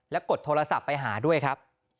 กดโทรศัพท์ไปหาด้วยครับ